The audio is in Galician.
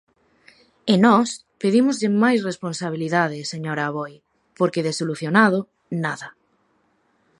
E nós pedímoslle máis responsabilidade, señora Aboi, porque de solucionado, nada.